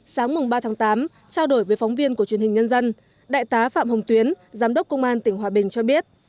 sáng ba tháng tám trao đổi với phóng viên của truyền hình nhân dân đại tá phạm hồng tuyến giám đốc công an tỉnh hòa bình cho biết